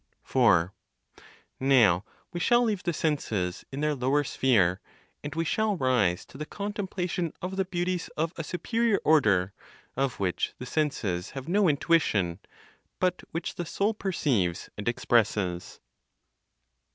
4. Now we shall leave the senses in their lower sphere, and we shall rise to the contemplation of the beauties of a superior order, of which the senses have no intuition, but which the soul perceives and expresses.